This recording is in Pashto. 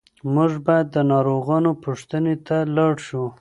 موږ باید د ناروغانو پوښتنې ته لاړ شو.